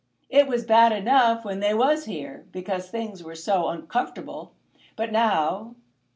It was bad enough when they was here, because things were so uncomfortable; but now